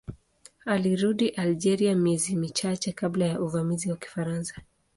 Alirudi Algeria miezi michache kabla ya uvamizi wa Kifaransa.